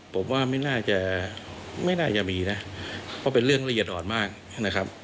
ผมว่าไม่น่าจะไม่น่าจะมีนะเพราะเป็นเรื่องละเอียดอ่อนมากนะครับ